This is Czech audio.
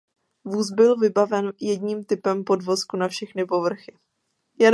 Vůz byl vybaven jedním typem podvozku na všechny povrchy.